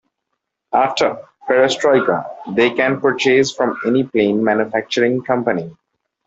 After Perestroika, they can purchase from any plane manufacturing company.